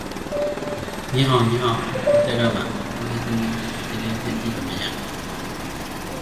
The early township consisted of four villages: Warrington, Neshaminy, Tradesville, and Pleasantville.